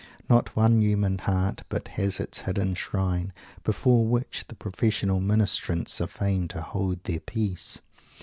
Not one human heart but has its hidden shrine before which the professional ministrants are fain to hold their peace.